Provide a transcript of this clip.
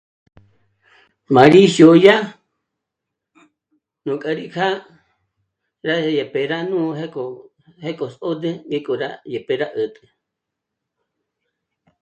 M'a gí xôdya nújkja rí kjâ'a dyá rá 'ë̀pje rá nú pjéko... pjéko ndzód'ü ngék'o rá dyèjpje rá 'ä̀t'ä